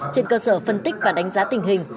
trên cơ sở phân tích và đánh giá tình hình